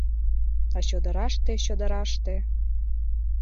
А чодыраште, чодыраште...